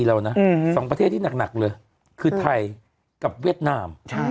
เรานะ๒ประเทศที่หนักเลยคือไทยกับเวียดนาม